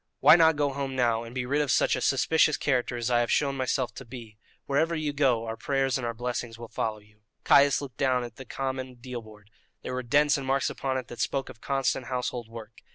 Why not go home now, and be rid of such a suspicious character as I have shown myself to be? Wherever you go, our prayers and our blessings will follow you." Caius looked down at the common deal board. There were dents and marks upon it that spoke of constant household work.